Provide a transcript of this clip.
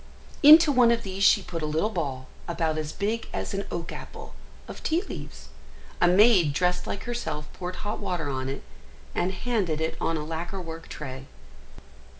Into one of these she put a little ball, about as big as an oak apple, of tea leaves; a maid dressed like herself poured hot water on it, and handed it on a lacquer work tray.